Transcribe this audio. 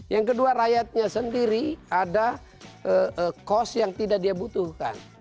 yang kedua rakyatnya sendiri ada cost yang tidak dia butuhkan